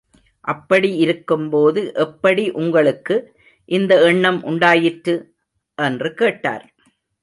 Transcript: அப்படி இருக்கும்போது, எப்படி உங்களுக்கு இந்த எண்ணம் உணடாயிற்று? என்று கேட்டார்.